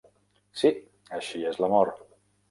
Sí, així és l'amor.